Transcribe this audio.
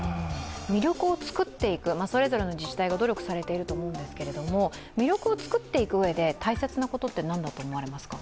魅力をつくっていく、それぞれの自治体が努力されていると思うんですけど、魅力をつくっていくうえで大切なものって何だと思われますか。